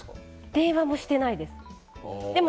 電話はしてないです。